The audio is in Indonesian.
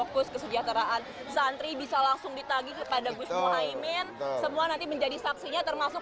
gus kesedihan santri bisa langsung ditagi kepada gus mohaimin semua nanti menjadi saksinya termasuk